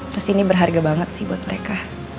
terus ini berharga banget sih buat mereka